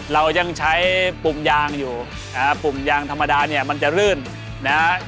เรายังใช้ปุ่มยางอยู่ปุ่มยางธรรมดาเนี่ยมันจะรื่นนะฮะ